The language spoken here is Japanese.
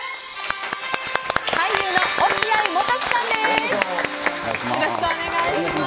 俳優の落合モトキさんです。